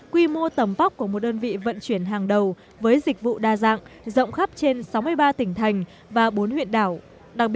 quy mô tầm vóc của một đơn vị vận chuyển hàng đầu với dịch vụ đa dạng rộng khắp trên sáu mươi ba tỉnh thành và bốn huyện đảo